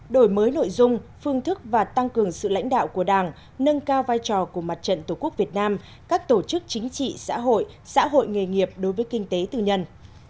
đổi mới nội dung phương thức và tăng cường sự lãnh đạo của đảng nâng cao vai trò của mặt trận tổ quốc việt nam các tổ chức chính trị xã hội xã hội nghề nghiệp đối với kinh tế tư nhân